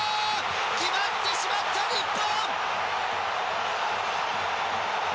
決まってしまった、日本。